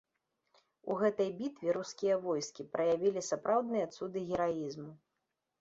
У гэтай бітве рускія войскі праявілі сапраўдныя цуды гераізму.